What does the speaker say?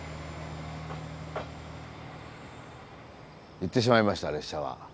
行ってしまいました列車は。